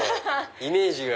イメージが。